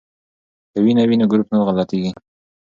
که وینه وي نو ګروپ نه غلطیږي.